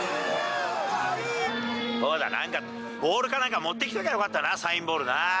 そうだ、なんかボールかなんか持ってきときゃよかったな、サインボールな。